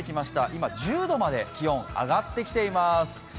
今１０度まで気温は上ってきています。